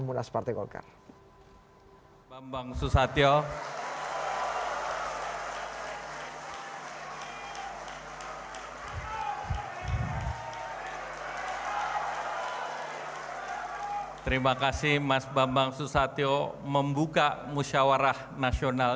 munas partai golkar bambang susatyo terima kasih mas bambang susatyo membuka musyawarah nasional